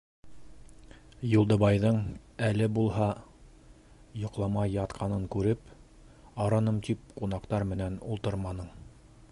Юлдыбайҙың әле булһа йоҡламай ятҡанын күреп: - Арыным тип, ҡунаҡтар менән ултырманың.